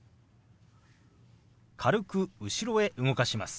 軽く後ろへ動かします。